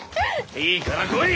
いいから来い！